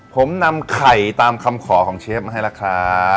ผมนำไข่ตามคำขอของเชฟมาให้แล้วครับ